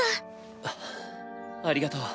はぁありがとう。